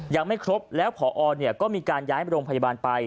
ยังไม่ครบแล้วพอก็มีการย้ายโรงพยาบาลไป